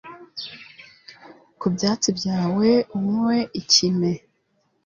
ku byatsi byawe unywe ikime